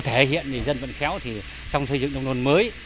thể hiện dân vận khéo trong xây dựng nông thôn mới